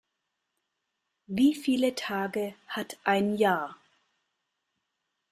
Wie viele Tage hat ein Jahr?